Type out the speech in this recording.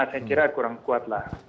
saya kira kurang kuatlah